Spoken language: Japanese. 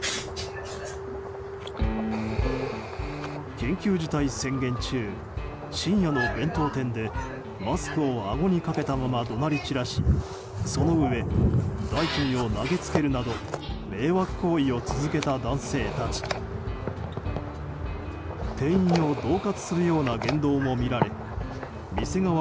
緊急事態宣言中深夜の弁当店でマスクをあごにかけたまま怒鳴り散らしそのうえ代金を投げつけるなど迷惑行為を続けた男性たち。